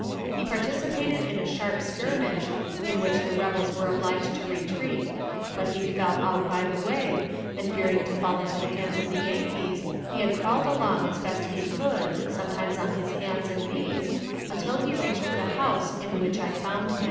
He participated in a sharp skirmish, in which the rebels were obliged to retreat; but he fell out by the way, and fearing to fall into the hands of the Yankees, he had crawled along as best he could, sometimes on his hands and knees, until he reached the house in which I found him.